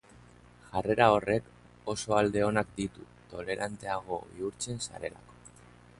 Jarrera horrek oso alde onak ditu toleranteago bihurtzen zarelako.